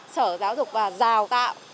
sở giáo dục và rào tạo